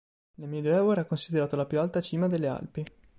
Nel medioevo era considerato la più alta cima delle Alpi.